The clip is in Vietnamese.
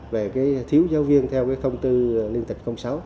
về thiếu giáo viên theo thông tư liên tịch sáu